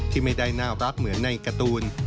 ที่ไม่ได้น่ารักเหมือนในการ์ตูน